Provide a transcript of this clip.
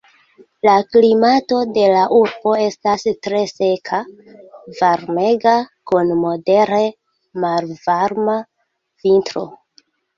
La klimato de la urbo estas tre seka, varmega, kun modere malvarma vintro.